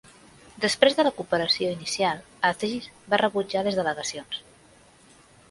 Després de la cooperació inicial, Aziz va rebutjar les delegacions.